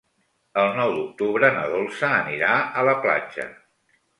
El nou d'octubre na Dolça anirà a la platja.